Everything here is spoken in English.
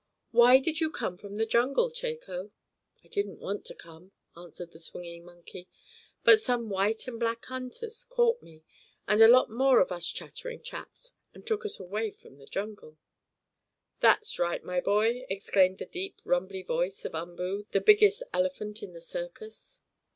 "Why did you come from the jungle, Chako?" "I didn't want to come," answered the swinging monkey. "But some white and black hunters caught me, and a lot more of us chattering chaps, and took us away from the jungle." "That's right, my boy!" exclaimed the deep, rumbly voice of Umboo, the biggest elephant in the circus.